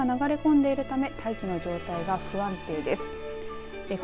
上空に寒気が流れこんでいるため大気の状態が不安定です。